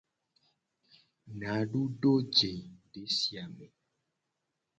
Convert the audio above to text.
Nadu do je desi a me.